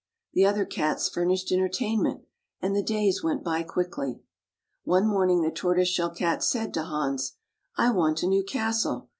The other Cats fmmished entertainment, and the days went by quickly. One morning the Tortoise Shell Cat said to Hans, " I want a new castle.